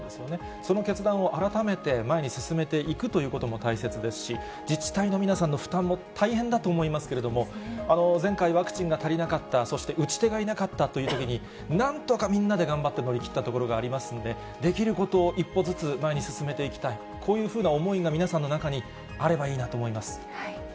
その決断を改めて前に進めていくということも大切ですし、自治体の皆さんの負担も大変だと思いますけれども、前回、ワクチンが足りなかった、そして打ち手がいなかったというときに、なんとかみんなで頑張って乗り切ったところがありますんで、できることを一歩ずつ前に進めていきたい、こういうふうな思いが、皆さんの中にあればいいなと思います。